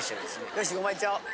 よしごまいっちゃおう！